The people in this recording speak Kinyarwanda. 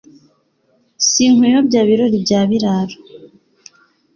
Sinkuyobya Birori bya Biraro